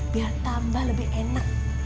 biar tambah lebih enak